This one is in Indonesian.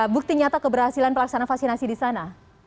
bukti nyata keberhasilan pelaksanaan vaksinasi di sana